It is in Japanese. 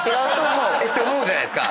て思うじゃないですか。